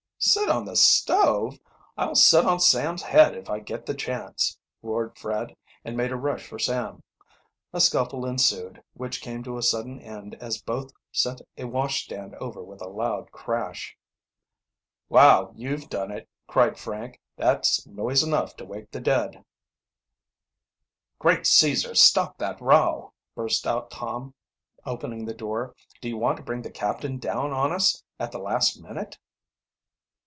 "Sit on the stove? I'll sit on Sam's head if I get the chance!" roared Fred, and made a rush for Sam. A scuffle ensued, which came to a sudden end as both sent a washstand over with a loud crash. "Wow you've done it!" cried Frank. "That's noise enough to wake the dead." "Great Caesar, stop that row!" burst out Torn, opening the door. "Do you want to bring the captain down on us at the last minute?"